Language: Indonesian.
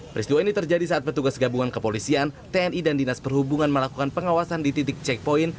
peristiwa ini terjadi saat petugas gabungan kepolisian tni dan dinas perhubungan melakukan pengawasan di titik checkpoint